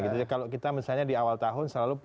kalau kita misalnya di awal tahun selalu